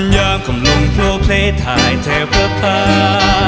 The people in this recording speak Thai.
ยามคำลงเพื่อเพลทหายแถวประพา